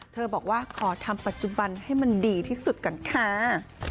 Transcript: บอกว่าขอทำปัจจุบันให้มันดีที่สุดก่อนค่ะ